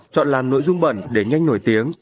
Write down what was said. chọn làm nội dung bẩn để nhanh nổi tiếng